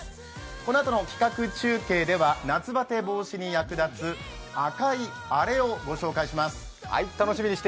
このあとの企画中継では夏バテ防止に役立つ赤いアレをご紹介します。